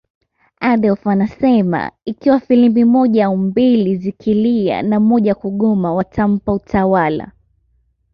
Adolf anasema ikiwa filimbi moja au mbili zikilia na moja kugoma watampa utawala